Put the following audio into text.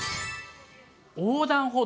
横断歩道。